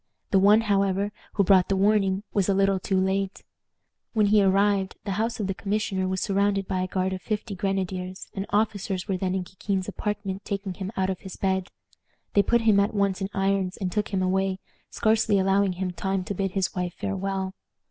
The one, however, who brought the warning was a little too late. When he arrived the house of the commissioner was surrounded by a guard of fifty grenadiers, and officers were then in Kikin's apartment taking him out of his bed. They put him at once in irons and took him away, scarcely allowing him time to bid his wife farewell.